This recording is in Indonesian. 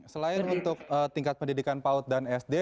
selain untuk tingkat pendidikan paut dan sd